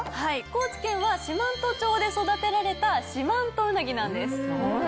高知県は四万十町で育てられた四万十うなぎなんです。